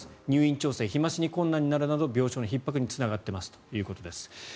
入院調整日増しに困難になるなど病床のひっ迫につながっていますということです。